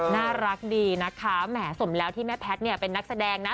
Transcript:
น่ารักดีนะคะแหมสมแล้วที่แม่แพทย์เนี่ยเป็นนักแสดงนะ